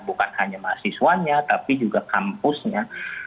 bukan hanya mahasiswanya tapi juga kampusnya